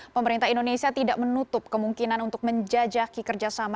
pemerintah indonesia tidak menutup kemungkinan untuk menjajaki kerjasama